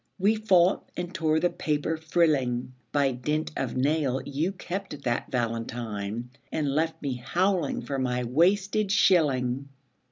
We fought and tore the paper frilling. By dint of nail you kept that valentine, And left me howling for my wasted shilling.